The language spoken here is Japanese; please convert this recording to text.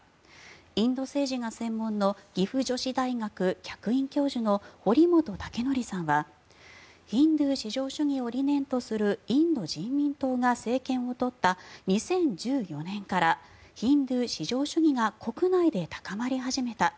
インド政治が専門の岐阜女子大学客員教授の堀本武功さんはヒンドゥー至上主義を理念とするインド人民党が政権を取った２０１４年からヒンドゥー至上主義が国内で高まり始めた。